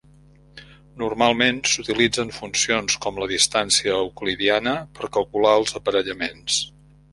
Normalment s'utilitzen funcions com la distància euclidiana per calcular els aparellaments.